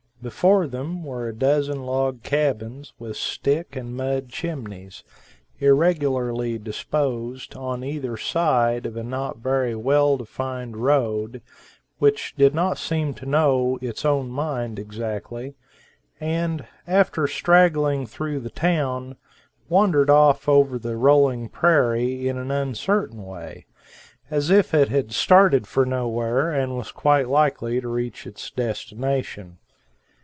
Before them were a dozen log cabins, with stick and mud chimneys, irregularly disposed on either side of a not very well defined road, which did not seem to know its own mind exactly, and, after straggling through the town, wandered off over the rolling prairie in an uncertain way, as if it had started for nowhere and was quite likely to reach its destination.